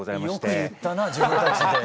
よく言ったな自分たちで。